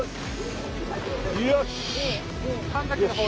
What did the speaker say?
よし！